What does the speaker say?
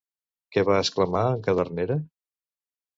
Què va exclamar en Cadernera?